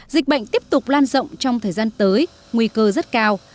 dịch bệnh tiếp tục lan rộng trong thời gian tới nguy cơ rất cao